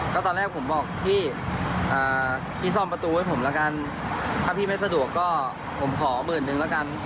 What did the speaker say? ก็ตอนแรกผมบอกพี่พี่ซ่อมประตูให้ผมละกันถ้าพี่ไม่สะดวกก็ผมขอหมื่นนึงแล้วกัน